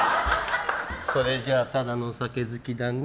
それじゃあただのお酒好きだね。